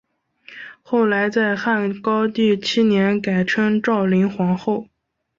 后来在汉高帝七年改称昭灵皇后。